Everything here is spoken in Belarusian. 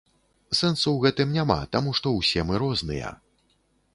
Сэнсу ў гэтым няма, таму што ўсе мы розныя.